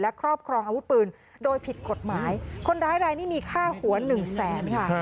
ครอบครองอาวุธปืนโดยผิดกฎหมายคนร้ายรายนี้มีค่าหัวหนึ่งแสนค่ะ